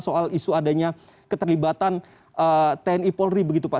soal isu adanya keterlibatan tni polri begitu pak